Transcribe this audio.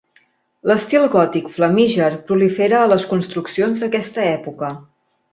L'estil gòtic flamíger prolifera a les construccions d'aquesta època.